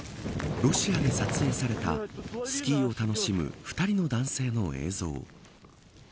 ロシアで撮影されたスキーを楽しむ２人の男性の映像。